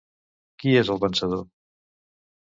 Qui és el vencedor?